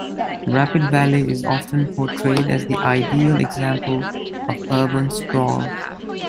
Rapid Valley is often portrayed as the ideal example of urban sprawl.